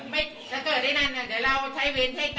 ไม่นึกถึงคนข้างหลังล่ะเอ๊ะมันเกิดขึ้นแล้วจะให้พวกพี่ทำยังไง